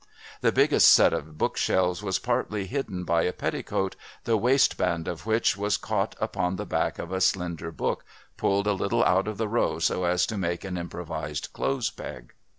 The biggest set of bookshelves was partly hidden by a petticoat, the waistband of which was caught upon the back of a slender book pulled a little out of the row so as to make an improvised clothes peg.